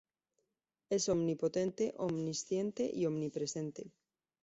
Es Omnipotente, Omnisciente y Omnipresente.